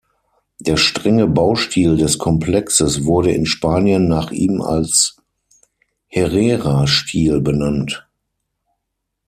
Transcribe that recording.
Der strenge Baustil des Komplexes wurde in Spanien nach ihm als „Herrera-Stil“ benannt.